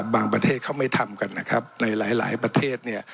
บางประเทศเขาไม่ทำกันนะครับในหลายประเทศ